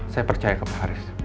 saya percaya ke pak haris